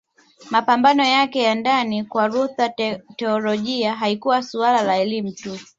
Mapambano yake ya ndani Kwa Luther teolojia haikuwa suala la elimu tu